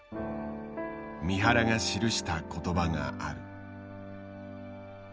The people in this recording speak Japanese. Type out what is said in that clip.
三原が記した言葉がある。